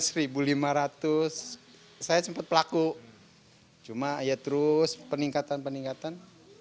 saya sempat pelaku cuma ya terus peningkatan peningkatan